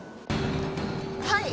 はい！